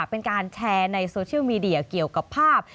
เป็นการแชร์ในโซเชียลมีเดียเกี่ยวกับภาพ